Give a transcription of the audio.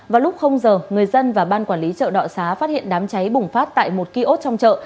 vào lúc giờ người dân và ban quản lý chợ đọ xá phát hiện đám cháy bùng phát tại một kiosk trong chợ